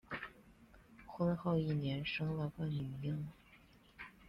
婚后一年生了个女婴